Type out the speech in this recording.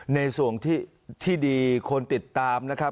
ในส่วนที่ดีคนติดตามนะครับ